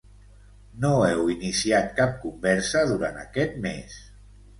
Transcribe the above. No heu iniciat cap conversa durant aquest mes.